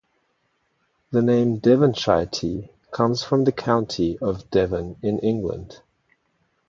The name "Devonshire tea" comes from the county of Devon in England.